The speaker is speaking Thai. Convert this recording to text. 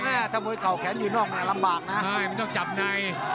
น่ะถ้าโบยเข่าแขนอยู่นอกมันลำบากน่ะไม่มันต้องจับใน